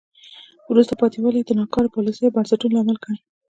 وروسته پاتې والی د ناکاره پالیسیو او بنسټونو لامل ګڼي.